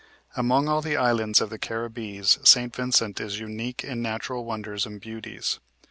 Among all the islands of the Caribbees St. Vincent is unique in natural wonders and beauties.